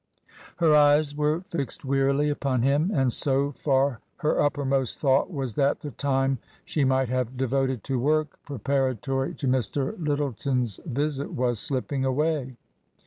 Her eyes were fixed wearily upon him, and so far her uppermost thought was that the time she might have devoted to work pre paratory to Mr. Lyttleton's visit was slipping away.